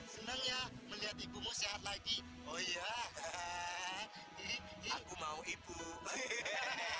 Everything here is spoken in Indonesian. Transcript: senang ya melihat ikumu sehat lagi oh ya hehehe aku mau ibu hehehe